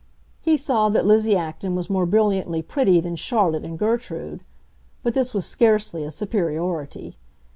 He saw that Lizzie Acton was more brilliantly pretty than Charlotte and Gertrude; but this was scarcely a superiority.